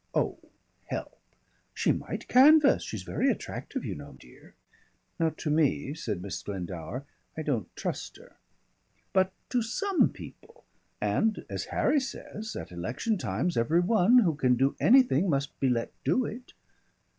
"Oh, help!" "She might canvass. She's very attractive, you know, dear." "Not to me," said Miss Glendower. "I don't trust her." "But to some people. And as Harry says, at election times every one who can do anything must be let do it.